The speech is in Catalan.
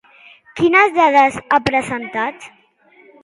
Quines dades ha presentat?